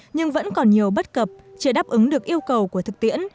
nhưng vẫn còn nhiều bất cập chưa đáp ứng được yêu cầu của thực tiễn